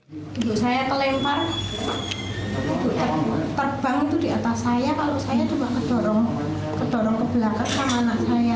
terbang itu di atas saya kalau saya cuma ke dorong ke belakang sama anak saya